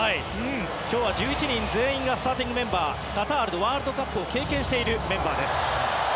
今日はスターティングメンバー１１人全員がカタールのワールドカップを経験しているメンバーです。